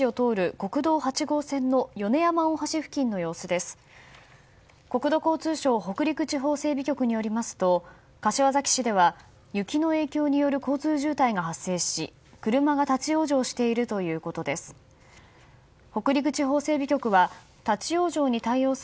国土交通省北陸地方整備局によりますと柏崎市では雪の影響による交通渋滞が発生し車が立ち往生しているということです。